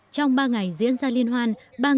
trong ba ngày diễn ra liên hoan